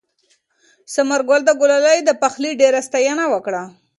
ثمرګل د ګلالۍ د پخلي ډېره ستاینه وکړه.